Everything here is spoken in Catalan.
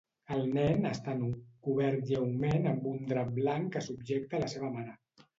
El nen està nu, cobert lleument amb un drap blanc que subjecta la seva mare.